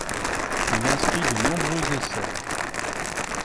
Il inscrit de nombreux essais.